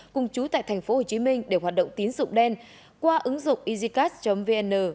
cùng chú tại tp hcm để hoạt động tín dụng đen qua ứng dụng easycast vn